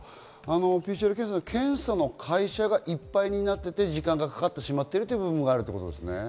ＰＣＲ検査の会社がいっぱいになっていて時間がかかってしまっている部分があるということですね。